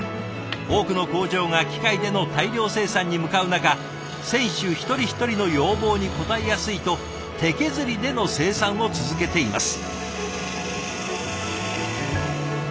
多くの工場が機械での大量生産に向かう中選手一人一人の要望に応えやすいと手削りでの生産を続けています。